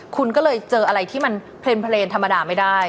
คุณก็เลยเจออะไรที่มันเพลินธรรมดาไม่ได้